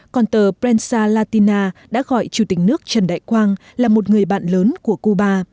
còn tờ brensa latina đã gọi chủ tịch nước trần đại quang là một người bạn lớn của cuba